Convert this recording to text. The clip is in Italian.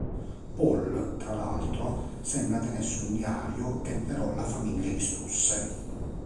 Paul, tra l'altro, sembra tenesse un diario che però la famiglia distrusse.